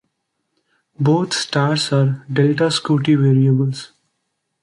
Both stars are Delta Scuti variables.